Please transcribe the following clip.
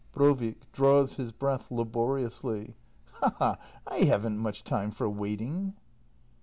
Brovik. [Draws his breath laboriously.] Ha — ha —! I haven't much time for waiting.